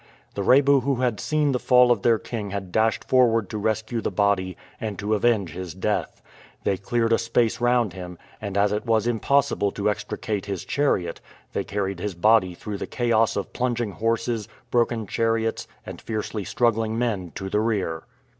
The Rebu who had seen the fall of their king had dashed forward to rescue the body and to avenge his death. They cleared a space round him, and as it was impossible to extricate his chariot, they carried his body through the chaos of plunging horses, broken chariots, and fiercely struggling men to the rear.